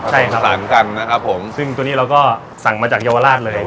ใช่ผสานกันนะครับผมซึ่งตัวนี้เราก็สั่งมาจากเยาวราชเลย